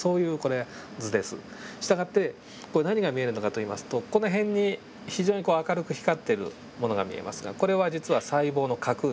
従って何が見えるのかといいますとこの辺に非常に明るく光っているものが見えますがこれは実は細胞の核です。